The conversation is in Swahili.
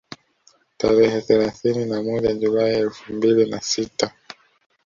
Tarehe thelathini na moja Julai elfu mbili na sita